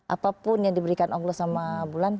apapun yang diberikan allah sama bulan